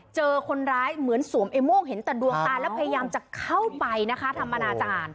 เจอคนร้ายเหมือนสวมไอ้โม่งเห็นแต่ดวงตาแล้วพยายามจะเข้าไปนะคะทำอนาจารย์